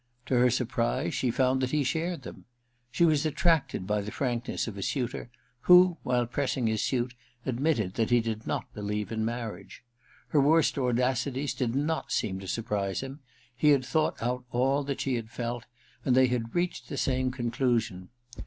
To her surprise, she found that he shared them. She was attracted by the frankness of a suitor who, while pressing his suit, admitted that he did not believe in marriage. Her worst audacities did not seem to surprise him : he had thought out all that she had felt, and they had reached the same conclusion.